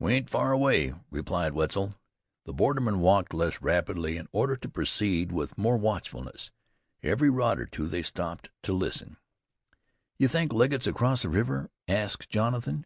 "We ain't far away," replied Wetzel. The bordermen walked less rapidly in order to proceed with more watchfulness. Every rod or two they stopped to listen. "You think Legget's across the river?" asked Jonathan.